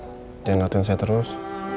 jangan ngeliatin saya terus